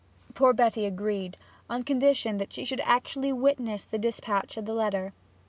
Poor Betty agreed, on condition that she should actually witness the despatch of the letter.